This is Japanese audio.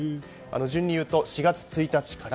順にいうと、４月１日から。